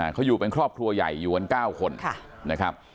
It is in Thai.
เขาอยู่เป็นครอบครัวใหญ่อยู่กัน๙คนนะครับ